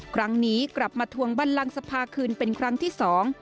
ครั้งนี้กลับมาทวงบันลังสภาคืนเป็นครั้งที่สอง